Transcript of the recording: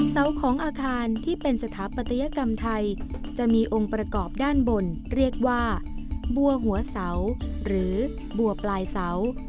เสาของอาคารที่เป็นสถาปัตยกรรมไทยจะมีองค์ประกอบด้านบนเรียกว่าบัวหัวเสาหรือบัวปลายเสา